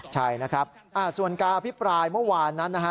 ใช่ส่วนกล่าอภิปรายเมื่อวานนั้น